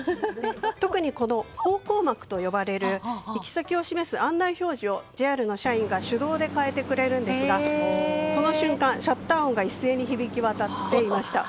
特に方向幕と呼ばれる行き先を示す案内表示を駅員さんが変えてくれるんですがその瞬間、シャッター音が一斉に響き渡っていました。